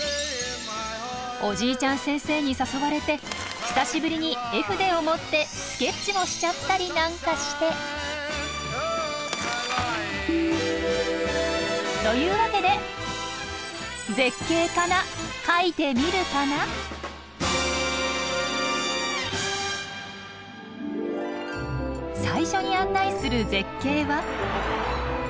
おじいちゃん先生に誘われて久しぶりに絵筆を持ってスケッチもしちゃったりなんかして。というわけで最初に案内する絶景は。